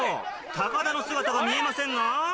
高田の姿が見えませんが。